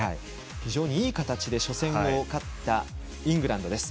非常にいい形で初戦を勝ったイングランドです。